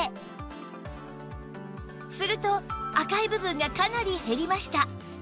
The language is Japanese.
すると赤い部分がかなり減りました